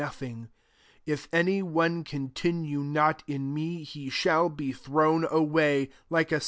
6 If any one continue not in me^ he shcdi be thrown away, like a.